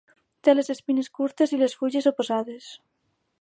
Té les espines curtes i les fulles oposades.